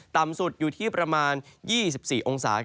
ต่ำสุดอยู่ที่ประมาณ๒๔องศา